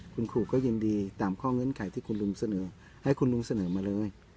คุณครูก็ยินดีตามข้อเงื่อนไขที่คุณลุงเสนอให้คุณลุงเสนอมาเลย